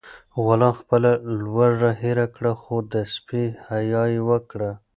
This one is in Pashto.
غلام خپله لوږه هېره کړه خو د سپي حیا یې وکړه.